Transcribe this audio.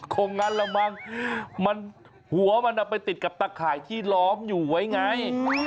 คงงั้นละมั้งมันหัวมันเอาไปติดกับตะข่ายที่ล้อมอยู่ไว้ไง